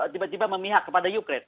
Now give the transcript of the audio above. tiba tiba memihak kepada ukraine